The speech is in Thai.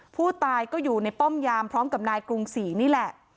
ผู้ตายก็อยู่ในป้อมยามพร้อมกับนายกรุงศรีนี่แหละ